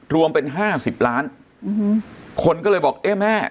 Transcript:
รวมเป็นห้าสิบล้านคนก็เลยบอกเอ๊ะแม่